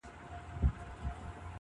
چغال هم کړې له خوښیه انګولاوي -